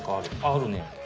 あるね。